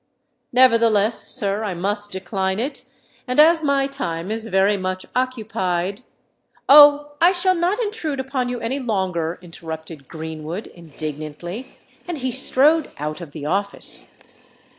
"Nevertheless, sir, I must decline it; and as my time is very much occupied——" "Oh! I shall not intrude upon you any longer," interrupted Greenwood, indignantly; and he strode out of the office.